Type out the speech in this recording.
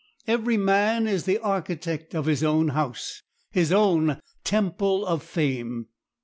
Every man is the architect of his own house, his own temple of fame.